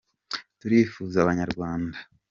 Turifuza n’Abanyarwanda.